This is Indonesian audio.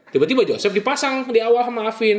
tiba tiba joseph dipasang di awal sama afin